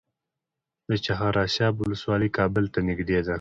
د چهار اسیاب ولسوالۍ کابل ته نږدې ده